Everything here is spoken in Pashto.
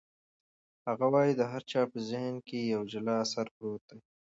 هغه وایي چې د هر چا په ذهن کې یو جلا اثر پروت دی.